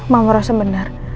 mama rasa benar